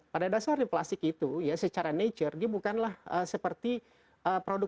pada dasarnya plastik itu ya secara nature dia bukanlah seperti produk